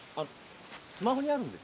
スマホにあるんで。